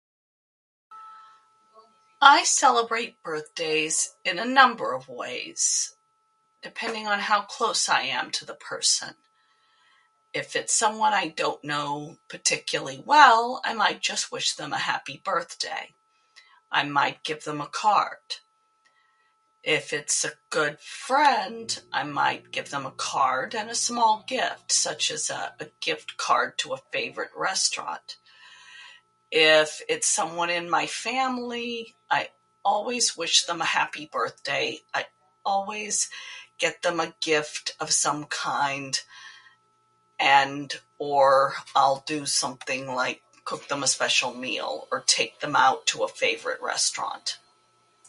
I celebrate birthdays in a number of ways, depending on how close I am to the person. If it's someone I don't know particularly well, I might just wish them a happy birthday, I might give them a card. If it's a good friend, I might give them a card and a small gift, such as a a gift card to a favorite restaurant. If it's someone in my family, I always wish them a happy birthday, I alway get them a gift of some kind and/or I'll do something like cook them a special meal or take them out to a favorite restaurant.